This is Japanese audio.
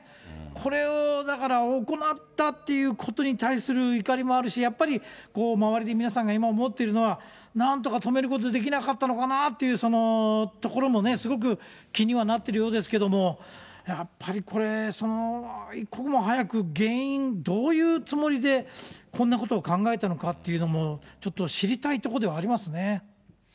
これをだから、行ったっていうことに対する怒りもあるし、やっぱり周りで皆さんが今思っているのは、なんとか止めることできなかったのかなっていうところもね、すごく気にはなっているようですけれども、やっぱりこれ、一刻も早く原因、どういうつもりでこんなことを考えたのかっていうのもちょっと知りたいところではありますね。